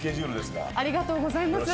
ありがとうございます